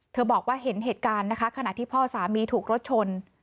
บอกว่าเห็นเหตุการณ์นะคะขณะที่พ่อสามีถูกรถชน